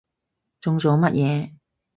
中咗乜嘢？